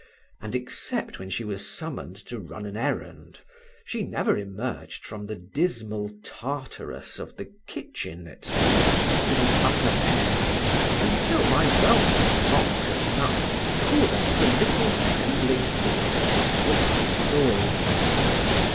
and, except when she was summoned to run an errand, she never emerged from the dismal Tartarus of the kitchen, &c., to the upper air until my welcome knock at night called up her little trembling footsteps to the front door.